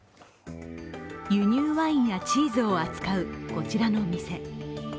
輸入ワインやチーズを扱うこちらの店。